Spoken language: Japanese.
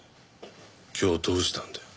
今日どうしたんだよ。